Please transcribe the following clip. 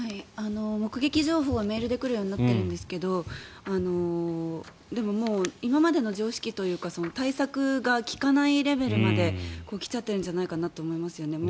目撃情報はメールで来るようになっているんですがでも、今までの常識というか対策が効かないレベルまで来ちゃってるんじゃないかなと思います。